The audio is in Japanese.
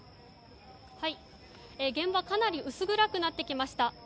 現場かなり薄暗くなってきました。